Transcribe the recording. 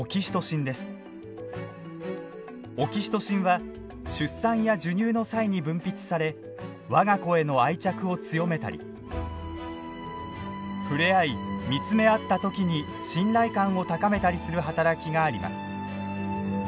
オキシトシンは出産や授乳の際に分泌され我が子への愛着を強めたり触れ合い見つめ合った時に信頼感を高めたりする働きがあります。